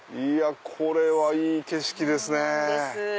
これはいい景色ですね！